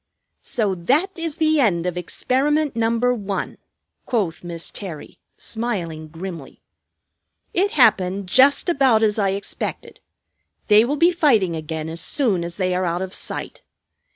"So that is the end of experiment number one," quoth Miss Terry, smiling grimly. "It happened just about as I expected. They will be fighting again as soon as they are out of sight.